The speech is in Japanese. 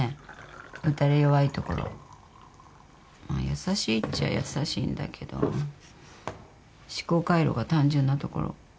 優しいっちゃ優しいんだけど思考回路が単純なところ。